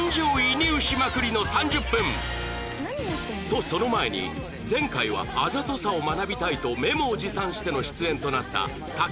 とその前に前回はあざとさを学びたいとメモを持参しての出演となった橋海人